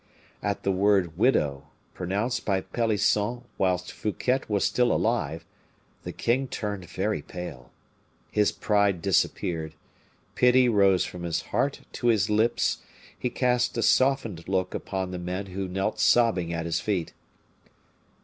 At the word widow, pronounced by Pelisson whilst Fouquet was still alive, the king turned very pale; his pride disappeared; pity rose from his heart to his lips; he cast a softened look upon the men who knelt sobbing at his feet.